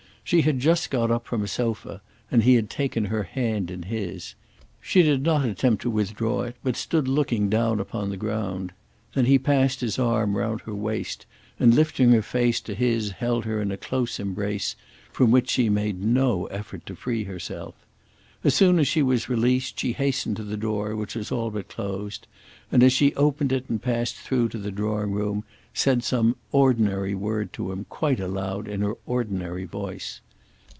She had just got up from a sofa, and he had taken her hand in his. She did not attempt to withdraw it, but stood looking down upon the ground. Then he passed his arm round her waist and lifting her face to his held her in a close embrace from which she made no effort to free herself. As soon as she was released she hastened to the door which was all but closed, and as she opened it and passed through to the drawing room said some ordinary word to him quite aloud in her ordinary voice.